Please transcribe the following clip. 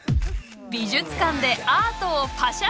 美術館でアートをパシャ！